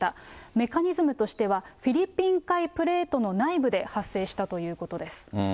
メカニズムとしては、フィリピン海プレートの内部で発生したということです。